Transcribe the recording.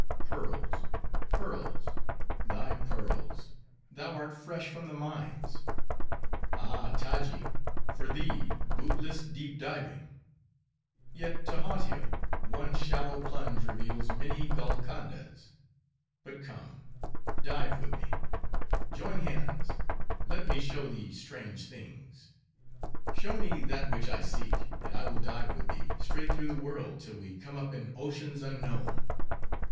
"Pearls, pearls! thy pearls! thou art fresh from the mines. Ah, Taji! for thee, bootless deep diving. Yet to Hautia, one shallow plunge reveals many Golcondas. But come; dive with me:—join hands—let me show thee strange things." "Show me that which I seek, and I will dive with thee, straight through the world, till we come up in oceans unknown."